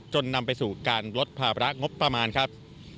นำไปสู่การลดภาระงบประมาณครับ